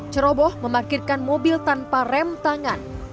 ceroboh memarkirkan mobil tanpa rem tangan